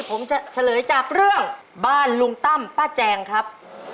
ผมจะเฉลยจากเรื่องบ้านลุงตั้มป้าแจงครับ